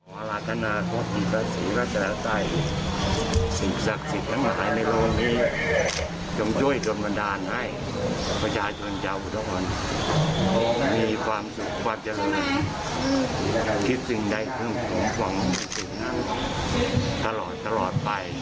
ตลอดตลอดไปและให้โควิดท้ายไปอย่างดอด